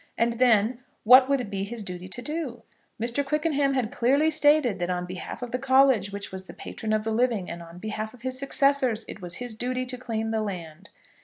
And then, what would it be his duty to do? Mr. Quickenham had clearly stated that on behalf of the college, which was the patron of the living, and on behalf of his successors, it was his duty to claim the land.